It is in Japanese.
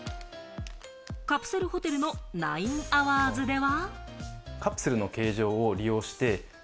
カプセルホテルのナインアワーズでは。